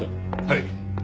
はい。